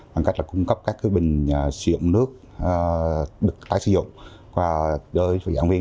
bằng cách cung cấp các bình sử dụng nước được tái sử dụng